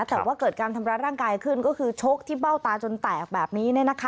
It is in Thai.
แต่ว่าเกิดการทำร้ายร่างกายขึ้นก็คือชกที่เบ้าตาจนแตกแบบนี้